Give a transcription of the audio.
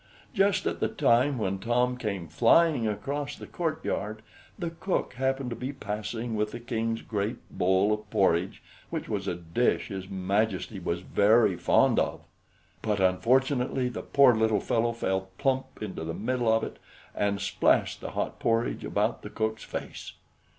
Just at the time when Tom came flying across the courtyard, the cook happened to be passing with the King's great bowl of porridge, which was a dish his Majesty was very fond of; but unfortunately the poor little fellow fell plump into the middle of it, and splashed the hot porridge about the cook's face.